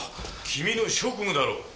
君の職務だろう！